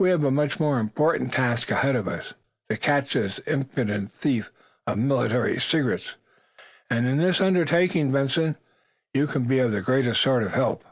We have a much more important task ahead of us to catch this impudent thief of military secrets! And, in this undertaking, Benson, you can be of the greatest sort of help!"